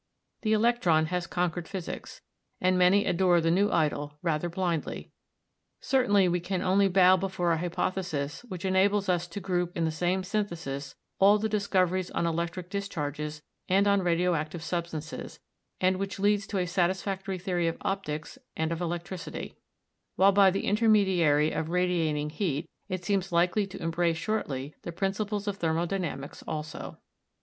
The electron has conquered physics, and many adore the new idol rather blindly. Certainly we can only bow before an hypothesis which enables us to group in the same synthesis all the discoveries on electric discharges and on radioactive substances, and which leads to a satisfactory theory of optics and of electricity; while by the intermediary of radiating heat it seems likely to embrace shortly the principles of thermodynamics also.